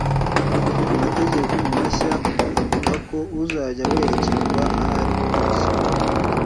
amategeko mashya avuga ko uzajya werekezwa ahari ho hose